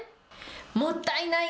もったいない。